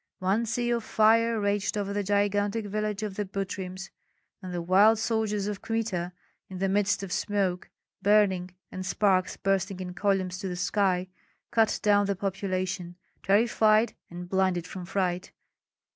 One sea of fire raged over the gigantic village of the Butryms; and the wild soldiers of Kmita, in the midst of smoke, burning, and sparks bursting in columns to the sky, cut down the population, terrified and blinded from fright.